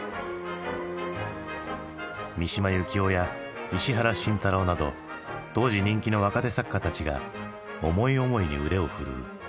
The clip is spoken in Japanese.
三島由紀夫や石原慎太郎など当時人気の若手作家たちが思い思いに腕を振るう。